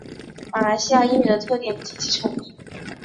马来西亚英语的特点及其成因